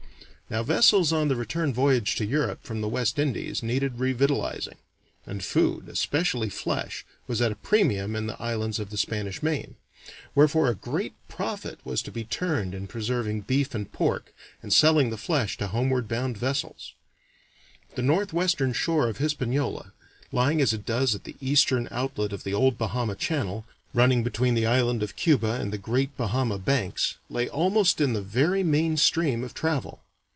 Now vessels on the return voyage to Europe from the West Indies needed revictualing, and food, especially flesh, was at a premium in the islands of the Spanish Main; wherefore a great profit was to be turned in preserving beef and pork, and selling the flesh to homeward bound vessels. The northwestern shore of Hispaniola, lying as it does at the eastern outlet of the old Bahama Channel, running between the island of Cuba and the great Bahama Banks, lay almost in the very main stream of travel.